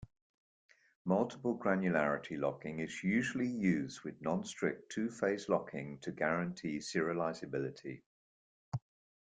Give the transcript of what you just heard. Multiple granularity locking is usually used with non-strict two-phase locking to guarantee serializability.